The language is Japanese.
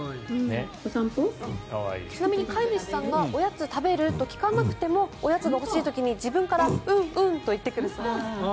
ちなみに飼い主さんがおやつ食べる？と聞かなくてもおやつが欲しい時に自分からうん、うんと言ってくるそうです。